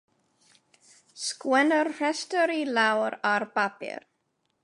Sgwenna'r rhestr i lawr ar bapur.